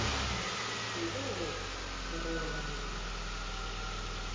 Volvede! −berrou a miña nai.